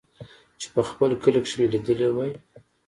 چې په خپل کلي کښې مې ليدلې وې.